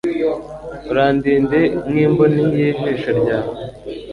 Urandinde nk’imboni y’ijisho ryawe